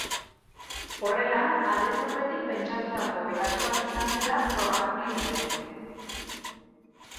Horrela, aldez aurretik pentsatutako eraso bat izan zela frogatu nahi dute.